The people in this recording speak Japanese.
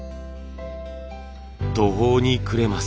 途方に暮れます。